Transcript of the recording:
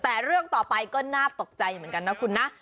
แต่เรื่องต่อไปก็น่าตกใจเหมือนกันนะคุณนะ